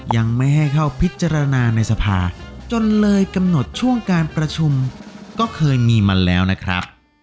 ยังไม่ให้เข้าพิจารณาในสภาจนเลยกำหนดช่วงการประชุมก็เคยมีมาแล้วนะครับ